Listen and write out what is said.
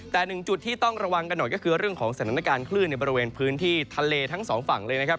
แต่หนึ่งจุดที่ต้องระวังกันหน่อยก็คือเรื่องของสถานการณ์คลื่นในบริเวณพื้นที่ทะเลทั้งสองฝั่งเลยนะครับ